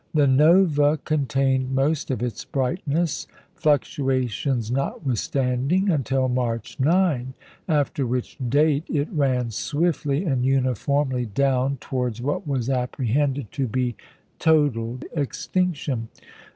The Nova contained most of its brightness, fluctuations notwithstanding, until March 9; after which date it ran swiftly and uniformly down towards what was apprehended to be total extinction.